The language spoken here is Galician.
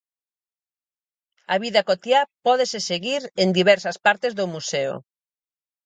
A vida cotiá pódese seguir en diversas partes do museo.